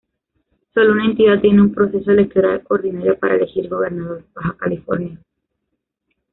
Solo una entidad tiene un proceso electoral ordinaria para elegir gobernador: Baja California.